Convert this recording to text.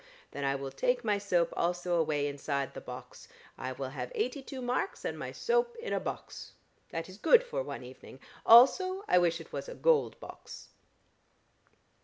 Then I will take my soap also away inside the box. I will have eighty two marks and my soap in a box. That is good for one evening. Also, I wish it was a gold box."